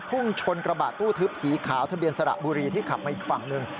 พุ่งชนกระบะตู้ทึบสีขาวทะเบียนสระบุรีที่ขับมาอีกฝั่งหนึ่ง